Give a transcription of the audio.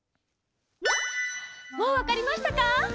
もうわかりましたか？